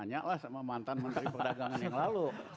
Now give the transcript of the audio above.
tanyalah sama mantan menteri perdagangan yang lalu